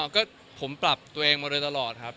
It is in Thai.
ก็ผมปรับตัวเองมาโดยตลอดครับ